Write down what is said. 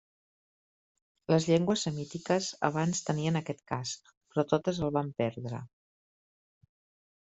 Les llengües semítiques abans tenien aquest cas, però totes el van perdre.